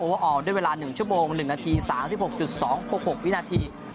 ออกด้วยเวลา๑ชั่วโมง๑นาที๓๖๒๖๖วินาที